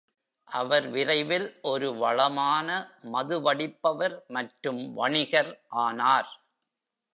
அவர் விரைவில் ஒரு வளமான மதுவடிப்பவர் மற்றும் வணிகர் ஆனார்.